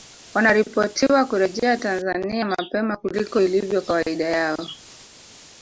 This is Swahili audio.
Wanaripotiwa kurejea Tanzania mapema kuliko ilivyo kawaida yao